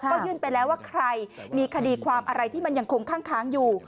ก็ยื่นไปแล้วว่าใครมีคดีความอะไรที่มันยังคงข้างอยู่